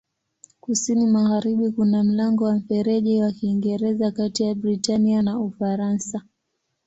Kusini-magharibi kuna mlango wa Mfereji wa Kiingereza kati ya Britania na Ufaransa.